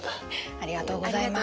ありがとうございます。